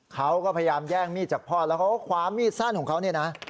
เขาก็พยายามแย่งมีดจากพ่อแล้วเขาก็คว้ามีดสั้นของเขาเนี่ยนะ